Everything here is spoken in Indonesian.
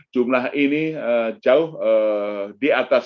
jumlah ini jauh di atas